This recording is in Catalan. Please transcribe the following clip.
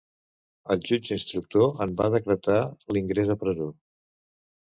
El jutge instructor en va decretar l'ingrés a presó.